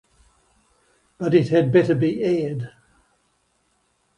But it had better be aired.